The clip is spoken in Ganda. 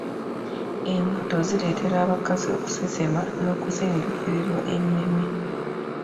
Embuto zileetera abakazi okusesema n'okusinduukirirwa emmeeme.